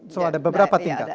so ada beberapa tingkat